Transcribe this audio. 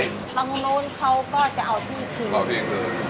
ตรงโน้นเขาก็จะเอาที่คืน